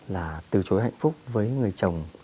là từ chối hạnh phúc với người chồng